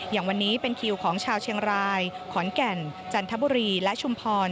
อย่างวันนี้เป็นคิวของชาวเชียงรายขอนแก่นจันทบุรีและชุมพร